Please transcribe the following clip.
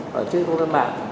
trên công an mạng